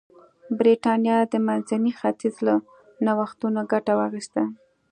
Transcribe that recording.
برېټانیا د منځني ختیځ له نوښتونو ګټه واخیسته.